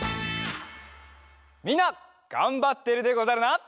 みんながんばっているでござるな。